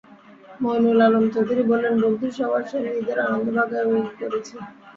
মঈনুল আলম চৌধুরী বললেন, বন্ধু সবার সঙ্গে ঈদের আনন্দ ভাগাভাগি করেছি।